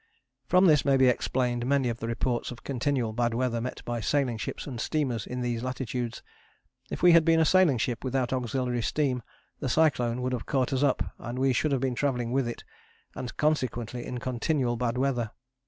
From this may be explained many of the reports of continual bad weather met by sailing ships and steamers in these latitudes. If we had been a sailing ship without auxiliary steam the cyclone would have caught us up, and we should have been travelling with it, and consequently in continual bad weather.